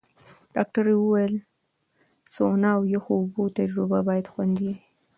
ډاکټره وویل چې سونا او یخو اوبو تجربه باید خوندي وي.